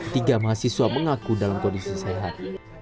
tiga mahasiswa mengaku dalam kondisi sehat